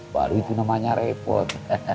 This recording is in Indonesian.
walu itu namanya repot